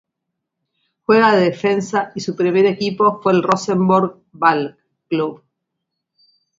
Juega de defensa y su primer equipo fue el Rosenborg Ballklub.